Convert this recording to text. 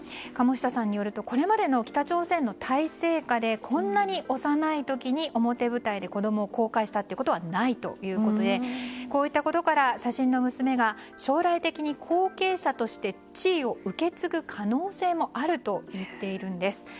鴨下さんによるとこれまでの北朝鮮の体制下でこん名に幼い時に表舞台に子供を公開したことはないということでこういったことから写真の娘が将来的に後継者として地位を受け継ぐ可能性もあるといっているんです。